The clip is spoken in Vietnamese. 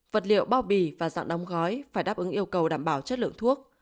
vật liệu bao bì và dọn đóng gói phải đáp ứng yêu cầu đảm bảo chất lượng thuốc